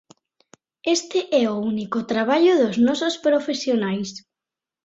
Este é o único traballo dos nosos profesionais.